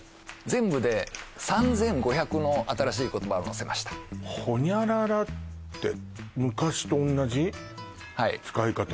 全部で３５００の新しい言葉を載せました「ホニャララ」って昔と同じ使い方？